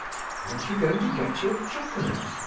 "Aren't you going to get your chocolate?"